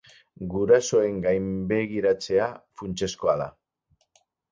Gurasoen gainbegiratzea funtsezkoa da.